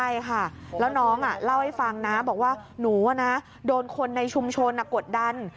ใช่ค่ะแล้วน้องเล่าให้ฟังนะบอกว่าหนูโดนคนในชุมชนกดดัน